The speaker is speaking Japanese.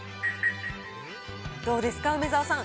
どうですか、梅沢さん。